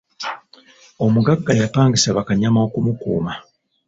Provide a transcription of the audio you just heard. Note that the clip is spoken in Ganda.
Omuggaga yapangisa bakanyama okumukuuma.